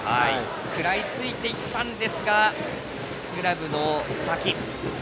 食らいついていったんですがグラブの先。